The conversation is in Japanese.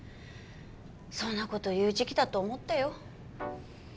そんな事言う時期だと思ったよ。